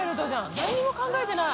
何も考えてない。